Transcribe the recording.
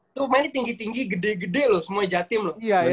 rumah ini tinggi tinggi gede gede loh semuanya jatim loh